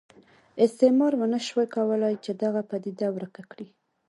استعمار ونه شوای کولای چې دغه پدیده ورکه کړي.